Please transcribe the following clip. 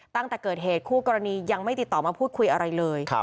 ตั้งแต่เกิดเหตุคู่กรณียังไม่ติดต่อมาพูดคุยอะไรเลย